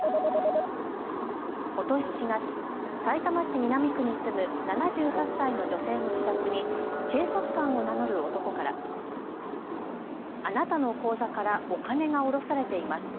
ことし４月、さいたま市南区に住む７８歳の女性の自宅に警察官を名乗る男からあなたの口座からお金が下ろされています。